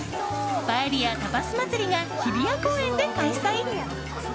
パエリア・タパス祭りが日比谷公園で開催。